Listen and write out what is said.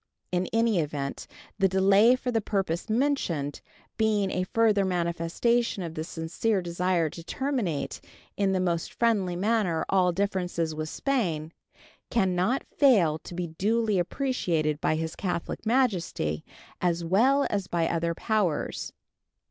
In any event, the delay for the purpose mentioned, being a further manifestation of the sincere desire to terminate in the most friendly manner all differences with Spain, can not fail to be duly appreciated by His Catholic Majesty as well as by other powers.